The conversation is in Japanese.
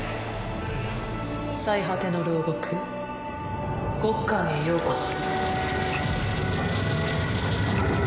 最果ての牢獄ゴッカンへようこそ。